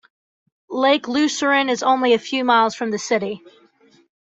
Lake Lucerne is only a few miles from the city.